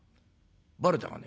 バレたかね？